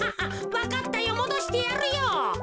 わかったよもどしてやるよ。